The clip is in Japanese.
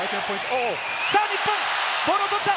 日本、ボールを取った！